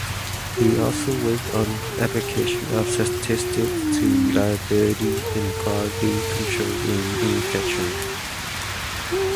He also worked on applications of statistics to reliability and quality control in manufacturing.